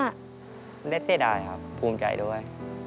ไม่ได้เสียดายครับภูมิใจด้วย